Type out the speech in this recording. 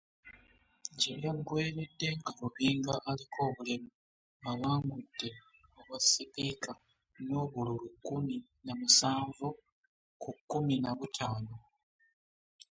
Gye byaggweeredde nga Lubinga aliko obulemu awangudde obwasipiika n’obululu kkumi namusanvu ku kkumi nabutaano